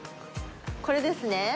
これですね。